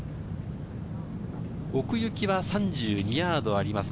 奥行きは３２ヤードあります。